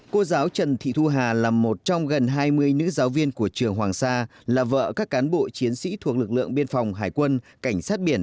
cô giáo trần thị thu hà là một trong gần hai mươi nữ giáo viên của trường hoàng sa là vợ các cán bộ chiến sĩ thuộc lực lượng biên phòng hải quân cảnh sát biển